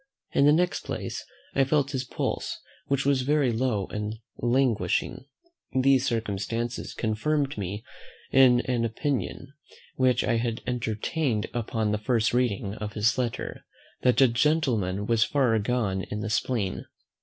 In the next place, I felt his pulse, which was very low and languishing. These circumstances confirmed me in an opinion, which I had entertained upon the first reading of his letter, that the gentleman was far gone in the spleen.